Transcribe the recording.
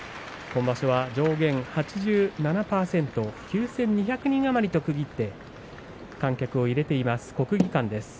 今場所は上限８７％９２００人余りと区切って観客を入れています国技館です。